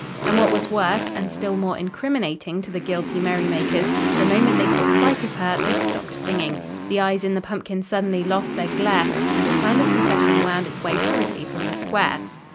And what was worse, and still more incriminating to the guilty merrymakers, the moment they caught sight of her they stopped singing. The eyes in the pumpkin suddenly lost their glare, and a silent procession wound its way hurriedly from the square.